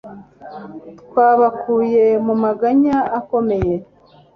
Twabakuye mu maganya akomeye